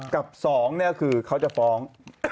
กับ๒เนี่ยคือเขาจะฟ้อง